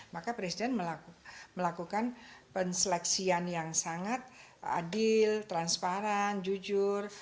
maka presiden melakukan penseleksian yang sangat adil transparan jujur